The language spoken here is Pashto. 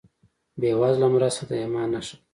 بېوزله مرسته د ایمان نښه ده.